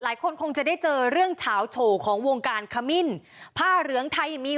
หลายคนคงจะได้เจอเรื่องเฉาโชว์ของวงการคามิ้นผ้าเหลืองไทมี